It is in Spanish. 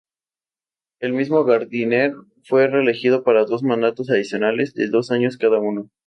El mismo Gardiner fue reelegido para dos mandatos adicionales de dos años cada uno.